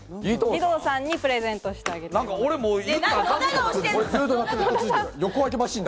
義堂さんにプレゼントしてあげたい。